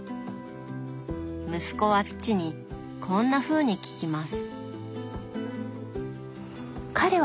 息子は父にこんなふうに聞きます。